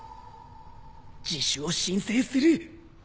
自首を申請する。